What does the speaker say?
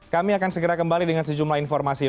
kami akan segera kembali dengan sejumlah informasi